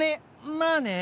まあね。